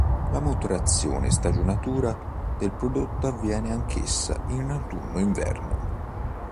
La maturazione e stagionatura del prodotto avviene anch'essa in autunno-inverno.